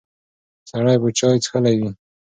سړی به چای څښلی وي.